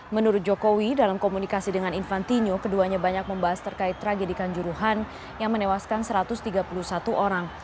menurut jokowi dalam komunikasi dengan infantino keduanya banyak membahas terkait tragedikan juruhan yang menewaskan satu ratus tiga puluh satu orang